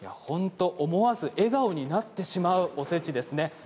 思わず笑顔になってしまうおせちです。